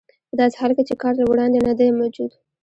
په داسې حال کې چې کار له وړاندې نه دی موجود